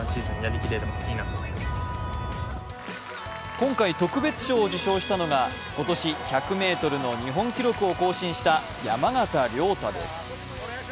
今回、特別賞を受賞したのが今年１００ｍの日本記録を更新した山縣亮太です。